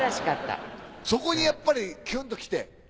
そこにやっぱりキュンときて。